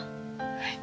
はい。